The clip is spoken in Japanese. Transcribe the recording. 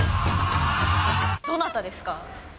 どなたですか？